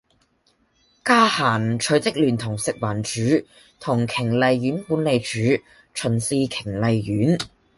嘉嫻隨即聯同食環署同瓊麗苑管理處巡視瓊麗苑